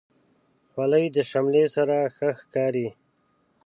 خولۍ د شملې سره ښه ښکاري.